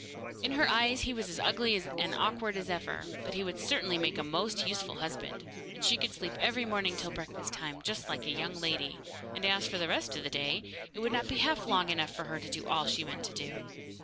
In her eyes he was as ugly and awkward as ever, but he would certainly make a most useful husband, and she could sleep every morning till breakfast time, just like a young lady, and as for the rest of the day, it would not be half long enough for all she meant to do.